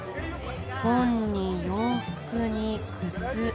本に洋服に靴。